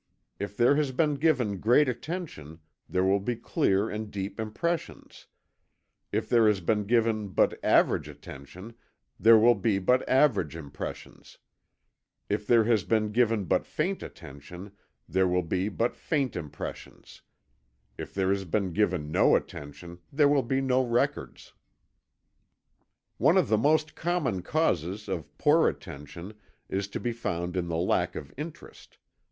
If there has been given great attention, there will be clear and deep impressions; if there has been given but average attention, there will be but average impressions; if there has been given but faint attention, there will be but faint impressions; if there has been given no attention, there will be no records. One of the most common causes of poor attention is to be found in the lack of interest.